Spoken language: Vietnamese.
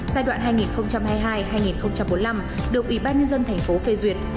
giai đoạn hai nghìn hai mươi hai hai nghìn bốn mươi năm được ubnd tp hcm phê duyệt